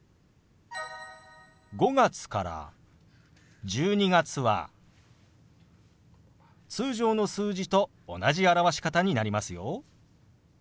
５月から１２月は通常の数字と同じ表し方になりますよ。